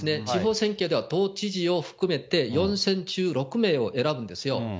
地方選挙では道知事を含めて、４選中６名を選ぶんですよ。